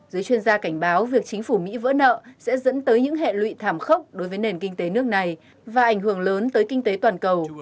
giới chuyên gia cảnh báo việc chính phủ mỹ vỡ nợ sẽ dẫn tới những hệ lụy thảm khốc đối với nền kinh tế nước này và ảnh hưởng lớn tới kinh tế toàn cầu